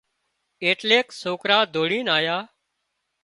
ايٽليڪ سوڪرا ڌوڙينَ آيا